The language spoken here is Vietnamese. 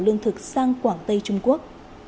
lương thực sang quảng tây trung quốc